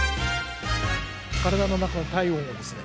体の中の体温をですね